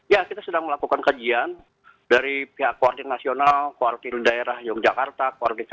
ya kita sudah melakukan kajian dari pihak koordinasional koordinasi daerah yogyakarta